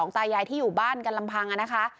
ตายายที่อยู่บ้านกันลำพังนะคะ